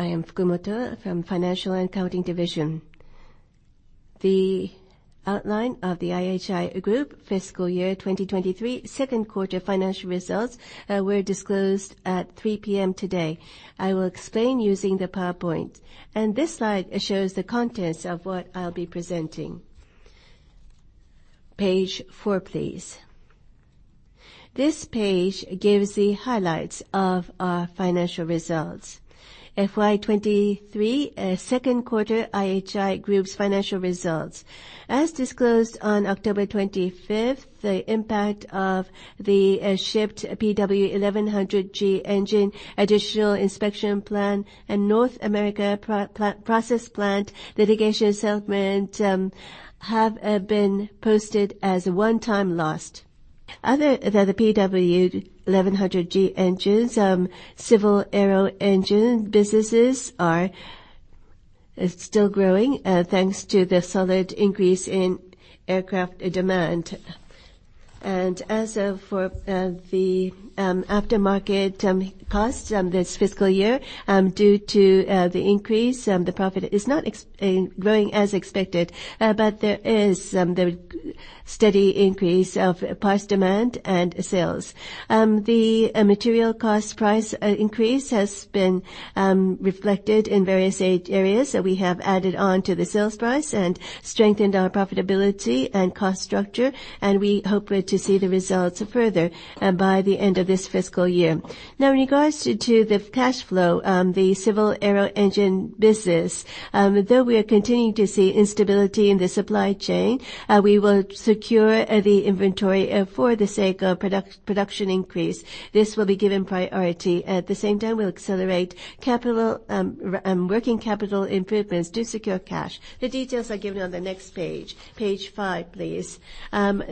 I am Fukumoto from Finance and Accounting Division. The outline of the IHI Group fiscal year 2023 second quarter financial results were disclosed at 3 P.M. today. I will explain using the PowerPoint, and this slide shows the contents of what I'll be presenting. Page 4, please. This page gives the highlights of our financial results. FY23 second quarter IHI Group's financial results. As disclosed on October 25, the impact of the shipped PW1100G engine additional inspection plan and North American process plant litigation settlement have been posted as a one-time loss. Other than the PW1100G engines, Civil Aero Engine businesses are still growing thanks to the solid increase in aircraft demand. As for the aftermarket costs this fiscal year, due to the increase, the profit is not growing as expected, but there is the steady increase of parts demand and sales. The material cost price increase has been reflected in various areas that we have added on to the sales price and strengthened our profitability and cost structure, and we hope to see the results further by the end of this fiscal year. Now, in regards to the cash flow, the Civil Aero Engine business, though we are continuing to see instability in the supply chain, we will secure the inventory for the sake of production increase. This will be given priority. At the same time, we'll accelerate capital, working capital improvements to secure cash. The details are given on the next page. Page five, please.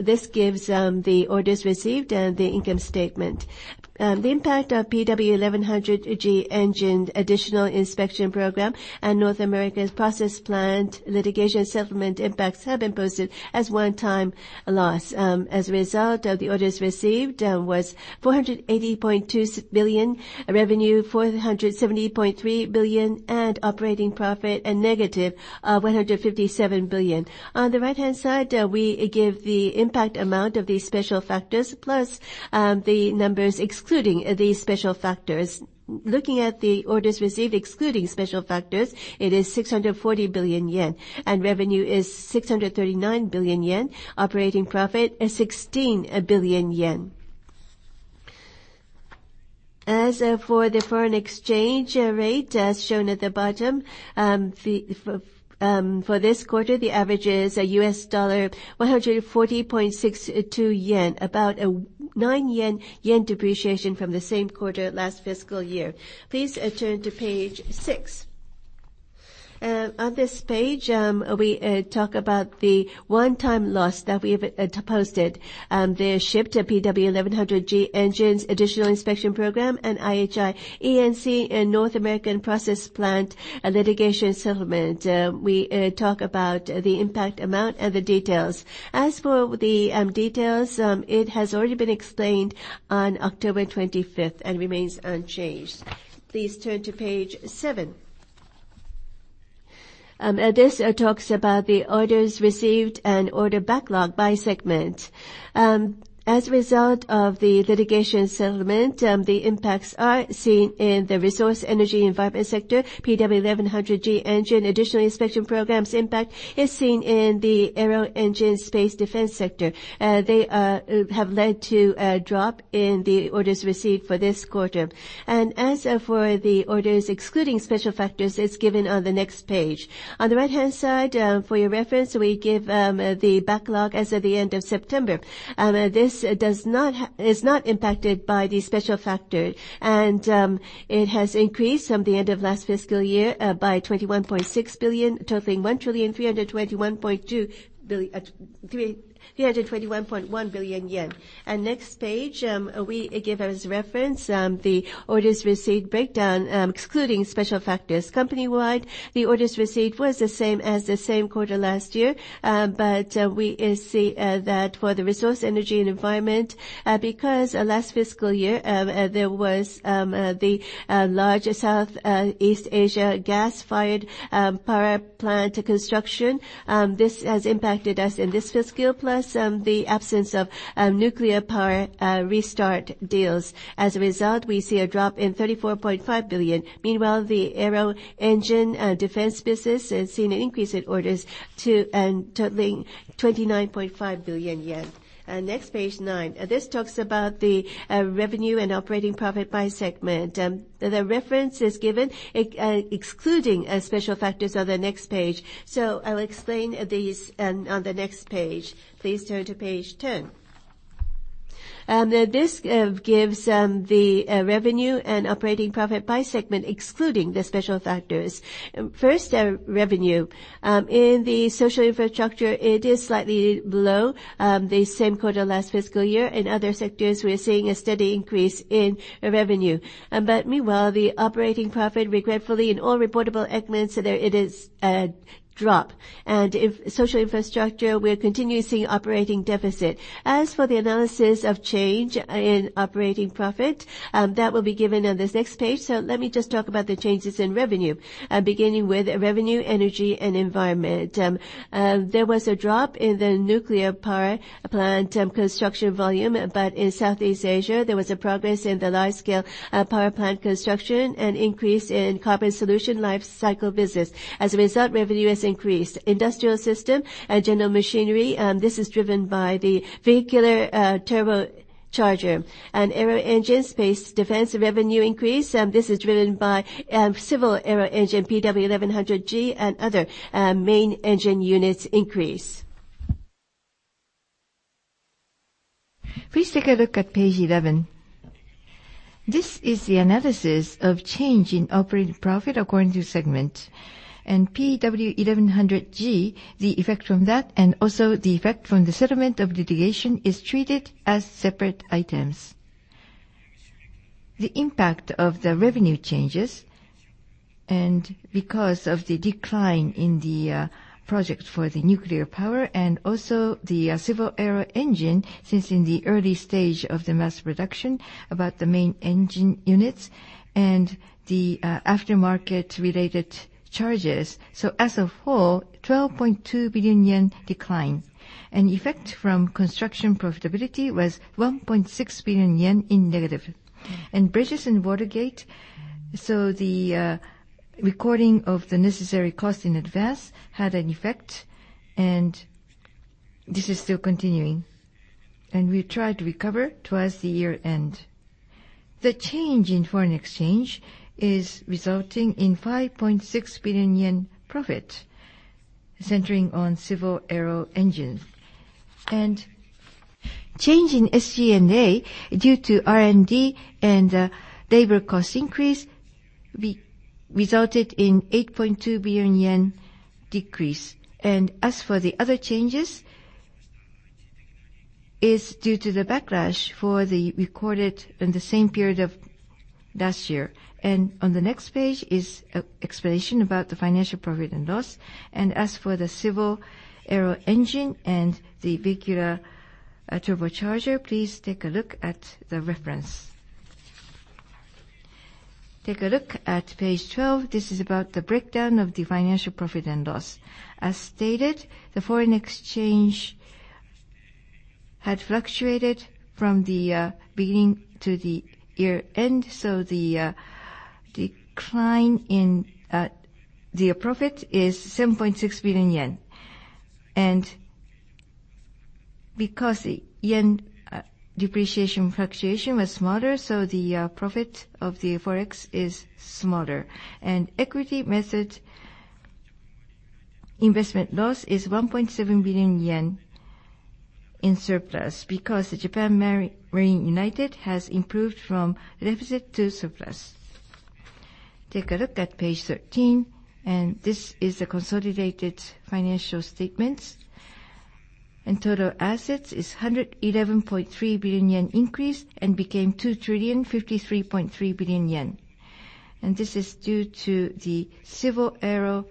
This gives the orders received and the income statement. The impact of PW1100G engine additional inspection program and North America process plant litigation settlement impacts have been posted as one-time loss. As a result of the orders received was 480.2 billion, revenue 470.3 billion, and operating profit of -157 billion. On the right-hand side, we give the impact amount of the special factors, plus the numbers excluding these special factors. Looking at the orders received excluding special factors, it is 640 billion yen, and revenue is 639 billion yen. Operating profit is 16 billion yen. As for the foreign exchange rate, as shown at the bottom, for this quarter, the average is a US dollar 140.62 to the yen, about a 9 yen depreciation from the same quarter last fiscal year. Please turn to page 6. On this page, we talk about the one-time loss that we have posted. The shipped PW1100G engines additional inspection program and IHI E&C North American process plant litigation settlement. We talk about the impact amount and the details. As for the details, it has already been explained on October 25 and remains unchanged. Please turn to page 7. This talks about the orders received and order backlog by segment. As a result of the litigation settlement, the impacts are seen in the Resources Energy Environment sector. PW1100G engine additional inspection programs impact is seen in the Aero Engine, Space and Defense sector. They have led to a drop in the orders received for this quarter. As for the orders excluding special factors, it's given on the next page. On the right-hand side, for your reference, we give the backlog as of the end of September. This is not impacted by the special factor, and it has increased from the end of last fiscal year by 21.6 billion, totaling 1,321.1 billion. Next page, we give as reference the orders received breakdown excluding special factors. Company-wide, the orders received was the same as the same quarter last year, but we see that for the Resources, Energy and Environment, because last fiscal year there was the larger Southeast Asia gas-fired power plant construction, this has impacted us in this fiscal, plus the absence of nuclear power restart deals. As a result, we see a drop in 34.5 billion. Meanwhile, the Aero Engine, Defense business has seen an increase in orders totaling 29.5 billion yen. And next, page 9. This talks about the revenue and operating profit by segment. The reference is given, excluding special factors on the next page. So I'll explain these on the next page. Please turn to page 10. This gives the revenue and operating profit by segment, excluding the special factors. First, our revenue. In the Social Infrastructure it is slightly below the same quarter last fiscal year. In other sectors, we're seeing a steady increase in revenue. But meanwhile, the operating profit, regretfully, in all reportable segments, there it is a drop. And in Social Infrastructure, we're continuing seeing operating deficit. As for the analysis of change in operating profit, that will be given on this next page. So let me just talk about the changes in revenue, beginning with revenue, energy, and environment. There was a drop in the nuclear power plant construction volume, but in Southeast Asia, there was a progress in the large-scale power plant construction and increase in carbon solution lifecycle business. As a result, revenue has increased. Industrial Systems, General Machinery, this is driven by the Vehicular Turbochargers. Aero engine, space, defense revenue increase, this is driven by Civil Aero Engine PW1100G and other main engine units increase. Please take a look at page 11. This is the analysis of change in operating profit according to segment. PW1100G, the effect from that and also the effect from the settlement of litigation, is treated as separate items. The impact of the revenue changes, and because of the decline in the project for the nuclear power and also the Civil Aero Engine, since in the early stage of the mass production, about the main engine units and the aftermarket related charges. So as a whole, -12.2 billion yen. Effect from construction profitability was -1.6 billion yen. Bridges and water gate, so the recording of the necessary cost in advance had an effect, and this is still continuing, and we try to recover towards the year-end. The change in foreign exchange is resulting in 5.6 billion yen profit, centering on Civil Aero Engine. Change in SG&A, due to R&D and labor cost increase, resulted in 8.2 billion yen decrease. As for the other changes, is due to the backlash for the recorded in the same period of last year. On the next page is an explanation about the financial profit and loss. As for the Civil Aero Engine and the Vehicular Turbochargers, please take a look at the reference. Take a look at page 12. This is about the breakdown of the financial profit and loss. As stated, the foreign exchange had fluctuated from the beginning to the year-end, so the decline in the profit is 7.6 billion yen. Because the yen depreciation fluctuation was smaller, so the profit from foreign exchange is smaller. Equity method investment loss is 1.7 billion yen in surplus, because Japan Marine United has improved from deficit to surplus. Take a look at page 13, and this is the consolidated financial statements. Total assets is 111.3 billion yen increase and became 2,053.3 billion yen. This is due to the Civil Aero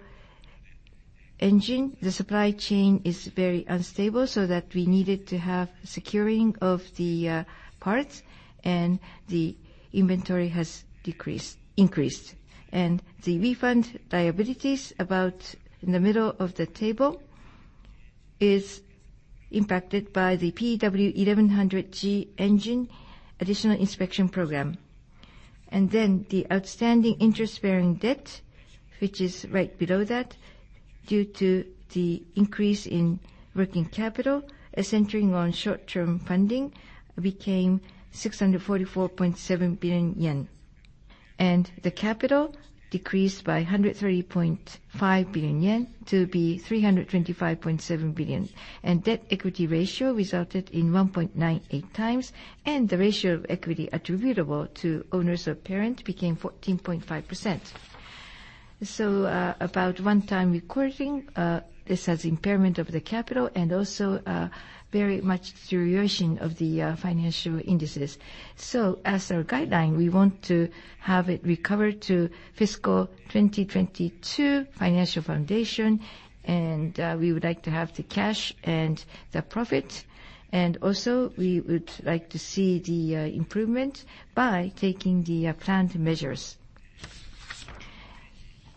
Engine. The supply chain is very unstable, so that we needed to have securing of the parts, and the inventory has increased. The refund liabilities, about in the middle of the table, is impacted by the PW1100G engine additional inspection program. Then the outstanding interest-bearing debt, which is right below that, due to the increase in working capital, centering on short-term funding, became 644.7 billion yen. The capital decreased by 130.5 billion yen to 325.7 billion. The debt-to-equity ratio resulted in 1.98 times, and the ratio of equity attributable to owners of parent became 14.5%. So, about one-time recording, this has impairment of the capital and also very much deterioration of the financial indices. As our guideline, we want to have it recover to fiscal 2022 financial foundation, and we would like to have the cash and the profit. And also, we would like to see the improvement by taking the planned measures.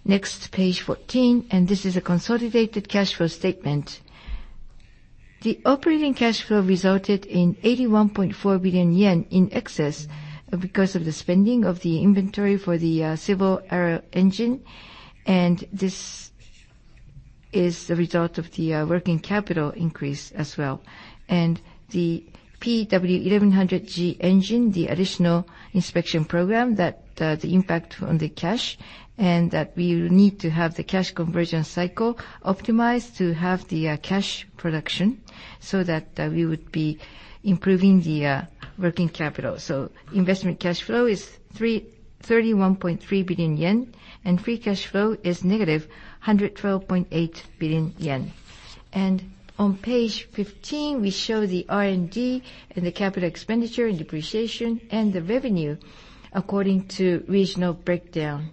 Next, page 14, and this is a consolidated cash flow statement. The operating cash flow resulted in 81.4 billion yen in excess because of the spending of the inventory for the Civil Aero Engine, and this is the result of the working capital increase as well. The PW1100G engine, the additional inspection program, that the impact on the cash, and that we will need to have the cash conversion cycle optimized to have the cash production, so that we would be improving the working capital. Investment cash flow is 31.3 billion yen, and free cash flow is -112.8 billion yen. On page 15, we show the R&D and the capital expenditure and depreciation and the revenue according to regional breakdown.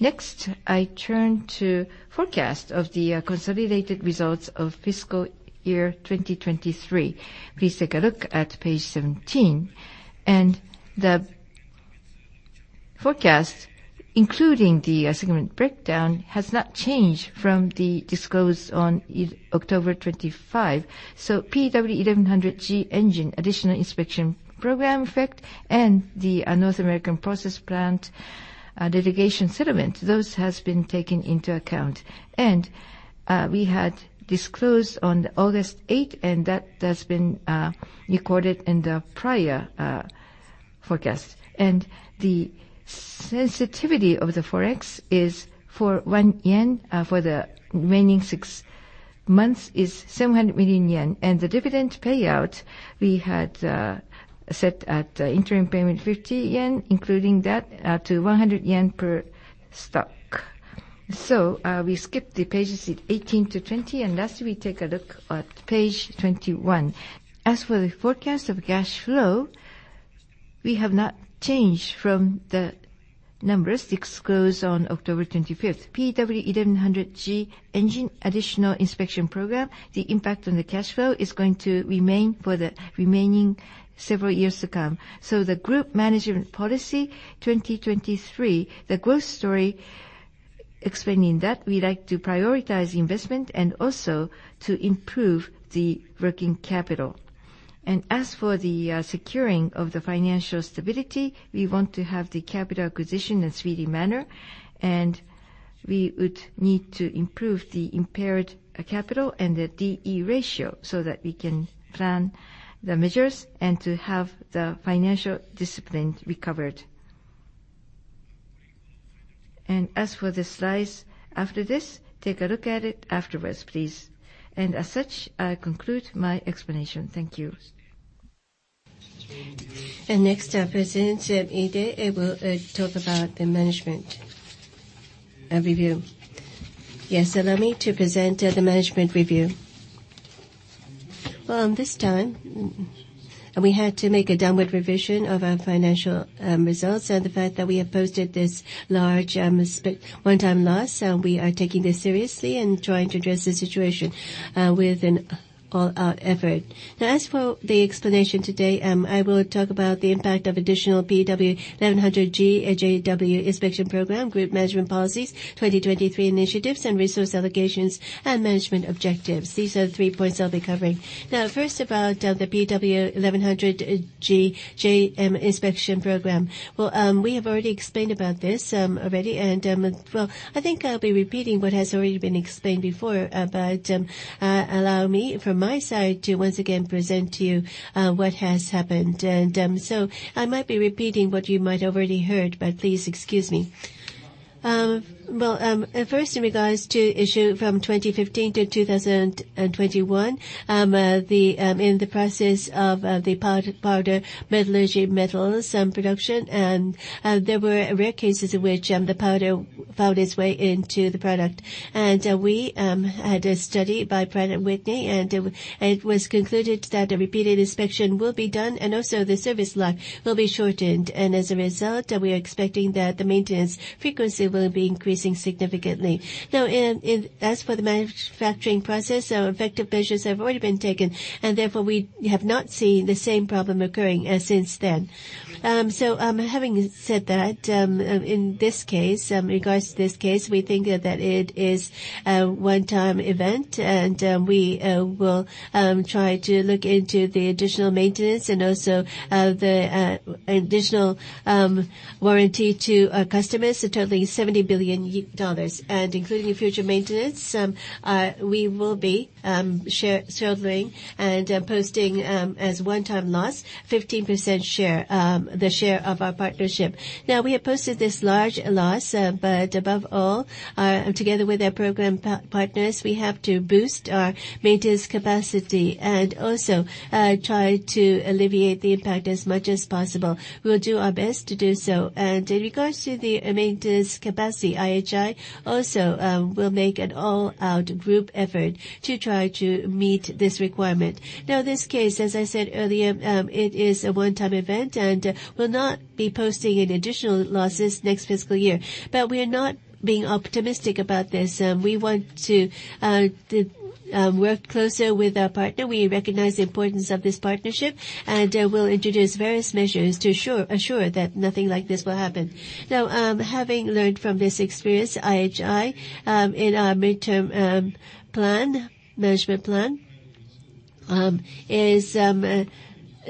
Next, I turn to forecast of the consolidated results of fiscal year 2023. Please take a look at page 17. The forecast, including the segment breakdown, has not changed from the disclosed on October 25. So PW1100G engine, additional inspection program effect, and the North American process plant litigation settlement, those has been taken into account. We had disclosed on August 8, and that has been recorded in the prior forecast. The sensitivity of the foreign exchange is for 1 yen for the remaining six months, is 700 million yen. The dividend payout we had set at interim payment 50 yen, including that, to 100 yen per share. So, we skip the pages 18 to 20, and last, we take a look at page 21. As for the forecast of cash flow, we have not changed from the numbers disclosed on October 25. PW1100G engine additional inspection program, the impact on the cash flow is going to remain for the remaining several years to come. So the Group Management Policies 2023, the growth story, explaining that we like to prioritize investment and also to improve the working capital. And as for the securing of the financial stability, we want to have the capital acquisition in a speedy manner, and we would need to improve the impaired capital and the D/E ratio, so that we can plan the measures and to have the financial discipline recovered. And as for the slides after this, take a look at it afterwards, please. As such, I conclude my explanation. Thank you. Next, our President Ide will talk about the management review. Yes, allow me to present the management review. Well, this time we had to make a downward revision of our financial results, and fact that we have posted this large special one-time loss we are taking this seriously and trying to address the situation with an all-out effort. Now, as for the explanation today, I will talk about the impact of additional PW1100G inspection program, Group Management Policies 2023 initiatives, and resource allocations and management objectives. These are the three points I'll be covering. Now, first about the PW1100G inspection program. Well, we have already explained about this, and well, I think I'll be repeating what has already been explained before. But allow me, from my side, to once again present to you what has happened. So I might be repeating what you might already heard, but please excuse me. At first, in regards to issue from 2015 to 2021, in the process of the powder metallurgy metals production, and there were rare cases in which the powder found its way into the product. And we had a study by Pratt & Whitney, and it was concluded that a repeated inspection will be done, and also the service life will be shortened. And as a result, we are expecting that the maintenance frequency will be increasing significantly. Now, as for the manufacturing process, so effective measures have already been taken, and therefore, we have not seen the same problem occurring since then. So, having said that, in this case, regards to this case, we think that it is a one-time event, and we will try to look into the additional maintenance and also the additional warranty to our customers, so totally JPY 70 billion. And including future maintenance, we will be sharing and posting as one-time loss, 15% share, the share of our partnership. Now, we have posted this large loss, but above all, together with our program partners, we have to boost our maintenance capacity and also try to alleviate the impact as much as possible. We will do our best to do so. In regards to the maintenance capacity, IHI also will make an all-out group effort to try to meet this requirement. Now, this case, as I said earlier, it is a one-time event and will not be posting any additional losses next fiscal year. But we are not being optimistic about this. We want to work closer with our partner. We recognize the importance of this partnership, and we'll introduce various measures to assure that nothing like this will happen. Now, having learned from this experience, IHI in our midterm management plan is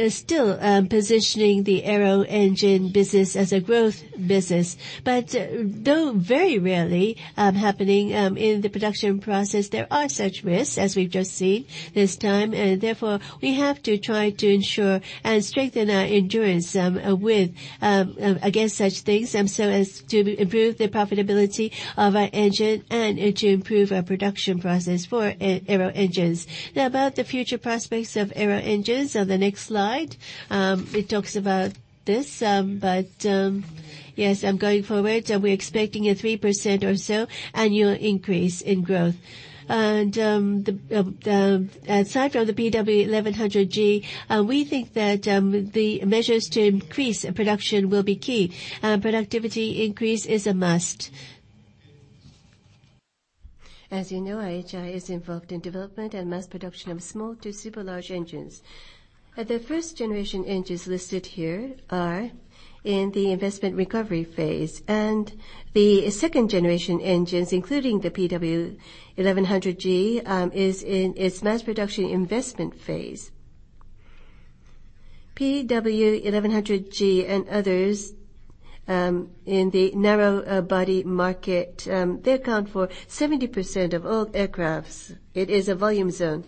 still positioning the aero engine business as a growth business. But, though very rarely happening in the production process, there are such risks, as we've just seen this time. Therefore, we have to try to ensure and strengthen our endurance, with, against such things, so as to improve the profitability of our engine and to improve our production process for aero engines. Now, about the future prospects of aero engines on the next slide, it talks about this. But, yes, I'm going forward, and we're expecting a 3% or so annual increase in growth. And, aside from the PW1100G, we think that, the measures to increase production will be key. Productivity increase is a must. As you know, IHI is involved in development and mass production of small to super large engines. The first generation engines listed here are in the investment recovery phase, and the second generation engines, including the PW1100G, is in its mass production investment phase. PW1100G and others, in the narrow body market, they account for 70% of all aircraft. It is a volume zone.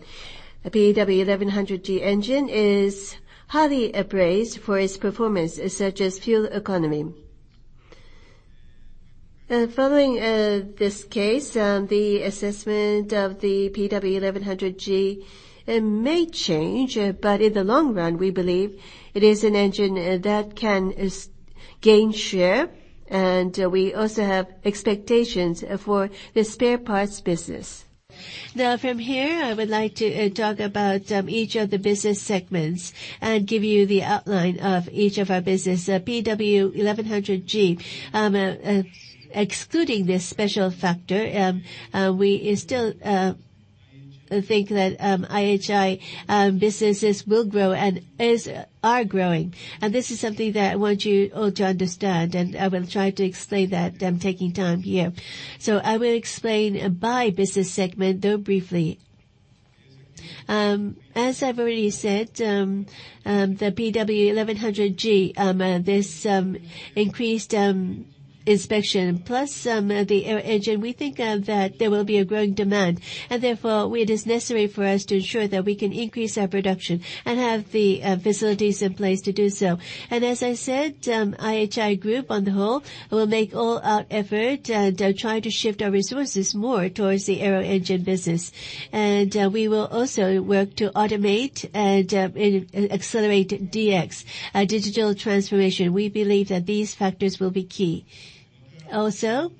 The PW1100G engine is highly appraised for its performance, such as fuel economy. Following this case, the assessment of the PW1100G, it may change, but in the long run, we believe it is an engine that can gain share, and we also have expectations for the spare parts business. Now, from here, I would like to talk about each of the business segments and give you the outline of each of our business. PW1100G, excluding this special factor, we still think that IHI businesses will grow and are growing. This is something that I want you all to understand, and I will try to explain that, I'm taking time here. So I will explain by business segment, though briefly. As I've already said, the PW1100G, this increased inspection, plus the aero engine, we think that there will be a growing demand, and therefore, it is necessary for us to ensure that we can increase our production and have the facilities in place to do so. And as I said, IHI Group, on the whole, will make all our effort to try to shift our resources more towards the aero engine business. And we will also work to automate and accelerate DX, digital transformation. We believe that these factors will be key. Also,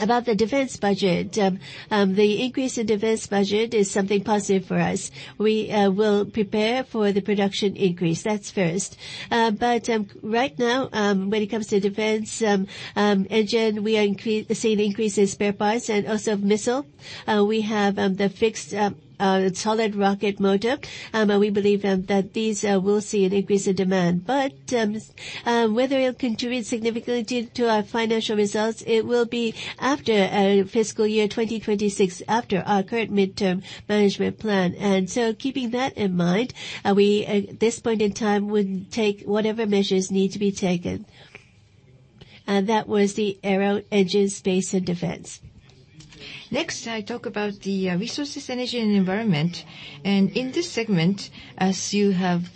about the defense budget, the increase in defense budget is something positive for us. We will prepare for the production increase, that's first. But right now, when it comes to defense engine, we are seeing increase in spare parts and also missile. We have the fixed solid rocket motor, and we believe that these will see an increase in demand. But whether it'll contribute significantly to our financial results, it will be after fiscal year 2026, after our current midterm management plan. And so keeping that in mind, we, at this point in time, would take whatever measures need to be taken. And that was the aero engine, space, and defense. Next, I talk about the resources, energy, and environment. And in this segment, as you have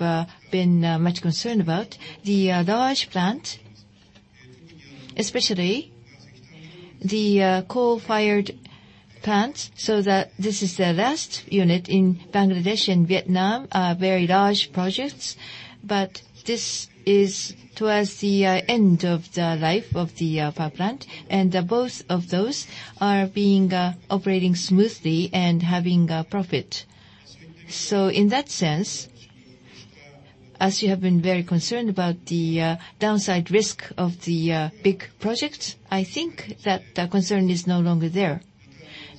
been much concerned about the large plant, especially the coal-fired plants, so that this is the last unit in Bangladesh and Vietnam, very large projects, but this is towards the end of the life of the power plant. And both of those are being operating smoothly and having a profit. So in that sense, as you have been very concerned about the downside risk of the big project, I think that the concern is no longer there.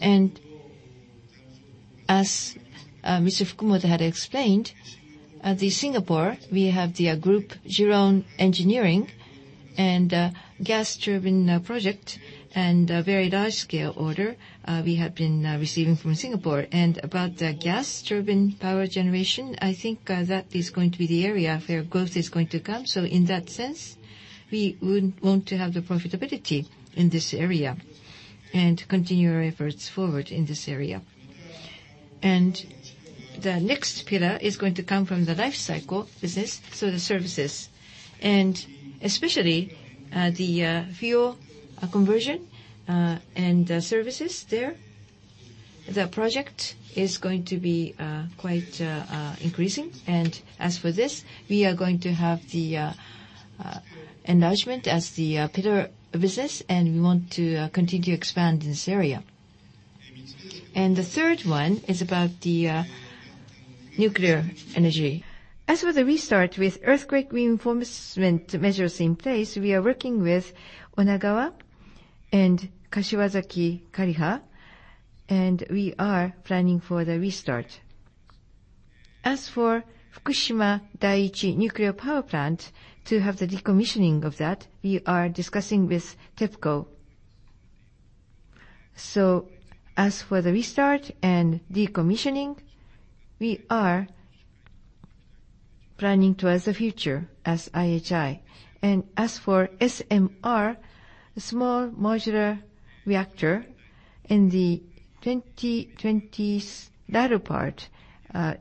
And as Mr. Fukumoto had explained, at Singapore, we have the Jurong Engineering and gas turbine project, and a very large scale order we have been receiving from Singapore. About the gas turbine power generation, I think that is going to be the area where growth is going to come. So in that sense, we would want to have the profitability in this area and continue our efforts forward in this area. The next pillar is going to come from the life cycle business, so the services, and especially the fuel conversion and the services there. The project is going to be quite increasing. As for this, we are going to have the enlargement as the pillar business, and we want to continue to expand in this area. The third one is about the nuclear energy. As for the restart following earthquake reinforcement measures in place, we are working with Onagawa and Kashiwazaki-Kariwa, and we are planning for the restart. As for Fukushima Daiichi Nuclear Power Plant, to have the decommissioning of that, we are discussing with TEPCO. So as for the restart and decommissioning, we are planning towards the future as IHI. And as for SMR, small modular reactor, in the 2020s latter part,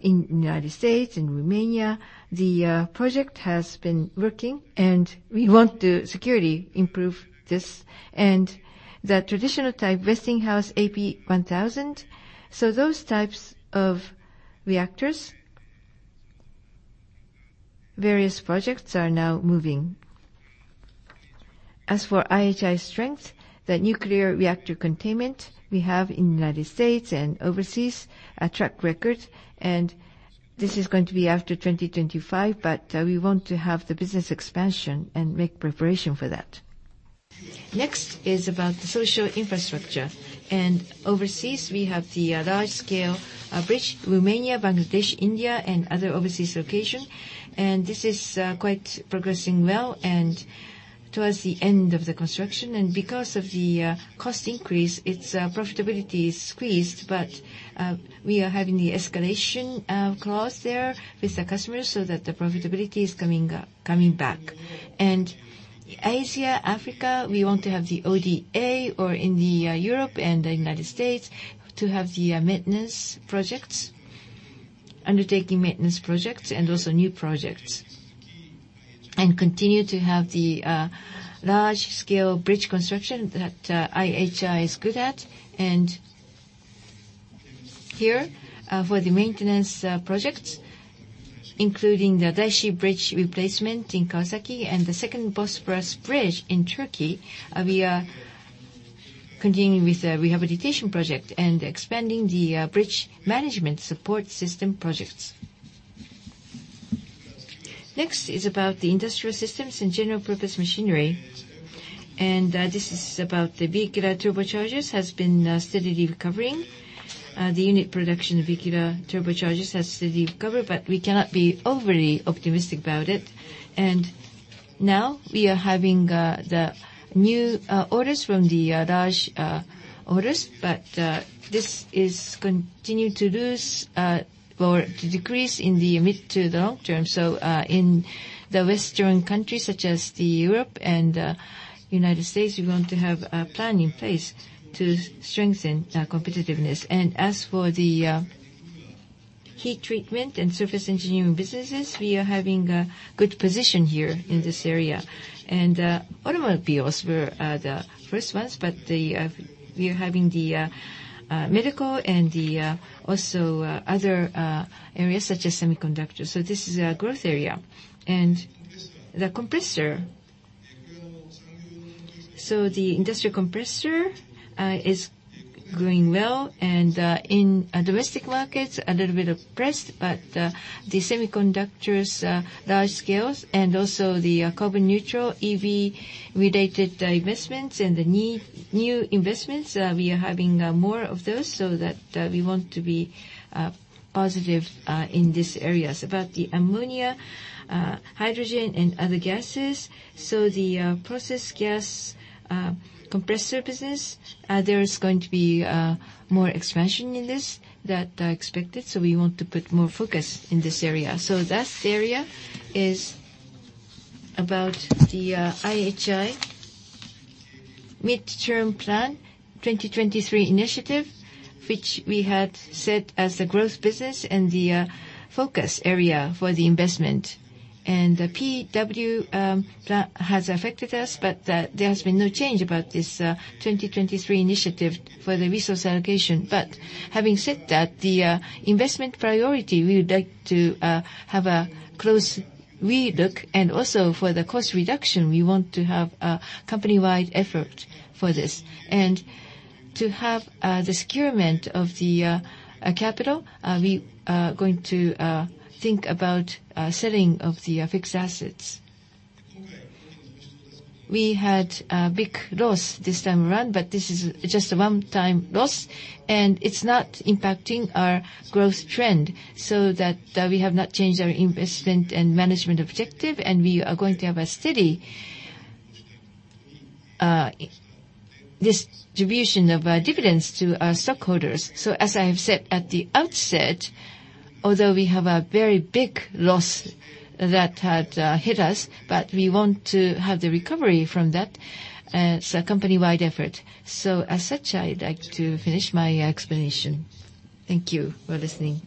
in United States, in Romania, the project has been working, and we want to securely improve this. And the traditional type, Westinghouse AP1000. So those types of reactors, various projects are now moving. As for IHI strength, the nuclear reactor containment we have in United States and overseas, a track record, and this is going to be after 2025, but we want to have the business expansion and make preparation for that. Next is about the Social Infrastructure, and overseas, we have the large-scale bridge, Romania, Bangladesh, India, and other overseas location. And this is quite progressing well and towards the end of the construction. Because of the cost increase, its profitability is squeezed, but we are having the escalation clause there with the customers so that the profitability is coming up, coming back. Asia, Africa, we want to have the ODA, or in the Europe and the United States, to have the maintenance projects, undertaking maintenance projects and also new projects. Continue to have the large-scale bridge construction that IHI is good at. Here, for the maintenance projects, including the Daishi Bridge replacement in Kawasaki and the Second Bosphorus Bridge in Turkey, we are continuing with the rehabilitation project and expanding the bridge management support system projects. Next is about theIndustrial Systems and General-Purpose Machinery, and this is about the vehicle turbochargers has been steadily recovering. The unit production of vehicle turbochargers has steadily recovered, but we cannot be overly optimistic about it. Now we are having the new orders from the large orders, but this is continue to lose or to decrease in the mid to the long term. In the Western countries, such as Europe and United States, we want to have a plan in place to strengthen our competitiveness. As for the heat treatment and surface engineering businesses, we are having a good position here in this area. Automobiles were the first ones, but we are having the medical and also other areas such as semiconductors. This is a growth area. The compressor, so the industrial compressor, is growing well, and in domestic markets, a little bit pressed, but the semiconductors, large scales and also the carbon neutral EV-related investments and the new investments, we are having more of those, so that we want to be positive in these areas. About the ammonia, hydrogen, and other gases, so the process gas compressor business, there is going to be more expansion in this than expected, so we want to put more focus in this area. So last area is about the IHI Midterm Plan, 2023 initiative, which we had set as the growth business and the focus area for the investment. And the PW plan has affected us, but there has been no change about this 2023 initiative for the resource allocation. But having said that, the investment priority, we would like to have a close relook, and also for the cost reduction, we want to have a company-wide effort for this. And to have the securement of the capital, we are going to think about selling of the fixed assets. We had a big loss this time around, but this is just a one-time loss, and it's not impacting our growth trend, so that we have not changed our investment and management objective, and we are going to have a steady distribution of dividends to our stockholders. So as I have said at the outset, although we have a very big loss that had hit us, but we want to have the recovery from that, it's a company-wide effort. So as such, I'd like to finish my explanation. Thank you for listening.